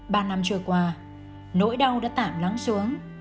ba năm trôi qua nỗi đau đã tạm lắng xuống